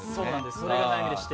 それが悩みでして。